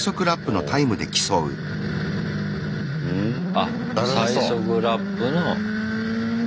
あっ最速ラップの。